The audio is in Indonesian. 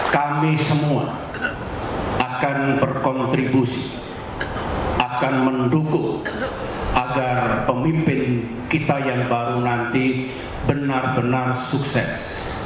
kami semua akan berkontribusi akan mendukung agar pemimpin kita yang baru nanti benar benar sukses